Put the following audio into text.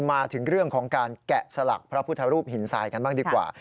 มาถึงเรื่องของการแกะสลักพระพุทธรูปหินทรายกันบ้างดีกว่า